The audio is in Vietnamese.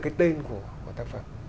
cái tên của tác phẩm